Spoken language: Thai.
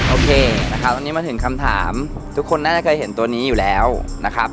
โอเคนะครับวันนี้มาถึงคำถามทุกคนน่าจะเคยเห็นตัวนี้อยู่แล้วนะครับ